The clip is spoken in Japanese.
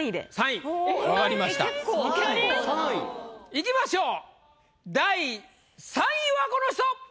いきましょう第３位はこの人！